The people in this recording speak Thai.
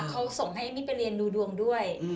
เขาส่งให้พี่ไปเรียนดูดวงด้วย